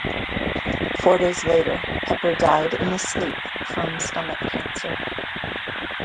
Four days later, Pepper died in his sleep from stomach cancer.